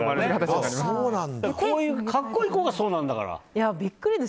こういう格好いい子がそうなんだから。